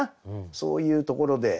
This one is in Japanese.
そういうところで。